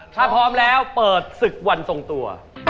ถ้าพร้อมแล้วเปิดศึกวันทรงตัว